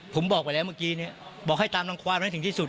ผมบอกไปแล้วเมื่อกี้เนี่ยบอกให้ตามรังความให้ถึงที่สุด